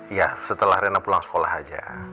iya setelah rena pulang sekolah aja